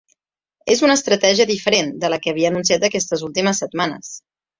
És una estratègia diferent de la que havia anunciat aquestes últimes setmanes.